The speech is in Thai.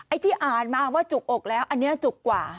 ที่อ่านมาว่าจุกอกแล้วอันนี้จุกกว่า